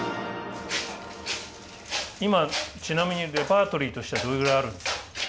今ちなみにレパートリーとしてはどれぐらいあるんですか？